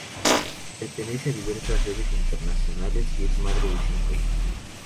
Pertenece a diversas redes internacionales y es madre de cinco hijos.